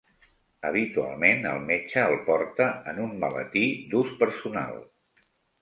Habitualment el metge el porta en un maletí d'ús personal.